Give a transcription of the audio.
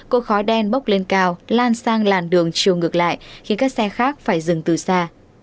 cột khói đen bốc lên cao lan sang làn đường chiều ngược lại khiến các xe khác phải dừng từ xa